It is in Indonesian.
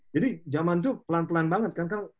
jadi jaman itu pelan pelan banget